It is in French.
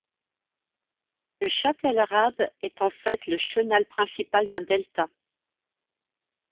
Le Chatt-el-Arab est en fait le chenal principal d'un delta.